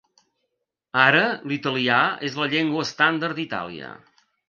Ara, l'italià és la llengua estàndard d'Itàlia.